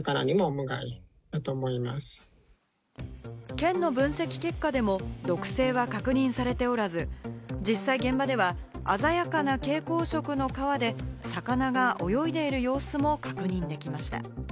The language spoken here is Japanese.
県の分析結果でも、毒性は確認されておらず、実際現場では鮮やかな蛍光色の川で魚が泳いでいる様子も確認できました。